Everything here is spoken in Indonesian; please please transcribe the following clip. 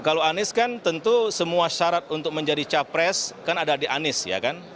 kalau anies kan tentu semua syarat untuk menjadi capres kan ada di anies ya kan